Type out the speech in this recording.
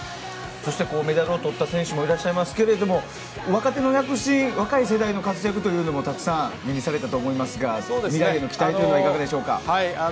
そしてメダルをとった選手もいらっしゃいますが若い世代の活躍というのもたくさん目にされたと思いますが未来への期待はいかがでしょうか？